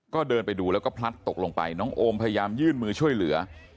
ก็เดินไปดูแล้วก็พลัดตกลงไปน้องโอมพยายามยื่นมือช่วยเหลือ